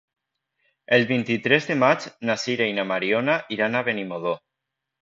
El vint-i-tres de maig na Sira i na Mariona iran a Benimodo.